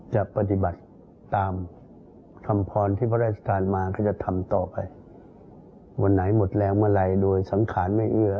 จะปฏิบัติตามคำพรที่พระราชทานมาก็จะทำต่อไปวันไหนหมดแรงเมื่อไหร่โดยสังขารไม่เอื้อ